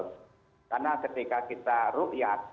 karena ketika kita rupiat